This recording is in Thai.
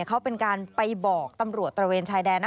เขาเป็นการไปบอกตำรวจตระเวนชายแดน